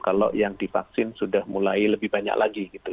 kalau yang divaksin sudah mulai lebih banyak lagi gitu